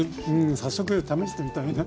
早速試してみたいな。